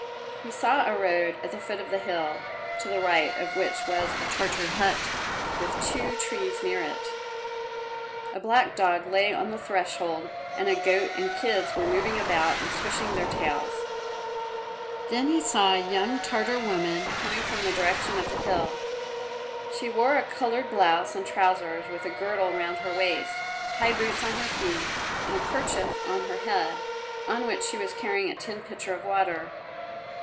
He saw a road at the foot of a hill, to the right of which was a Tartar hut with two trees near it. A black dog lay on the threshold and a goat and kids were moving about and swishing their tails. Then he saw a young Tartar woman coming from the direction of the hill. She wore a coloured blouse and trousers with a girdle round her waist, high boots on her feet and a kerchief on her head, on which she was carrying a tin pitcher of water.